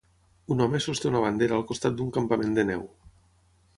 Un home sosté una bandera al costat d'un campament de neu.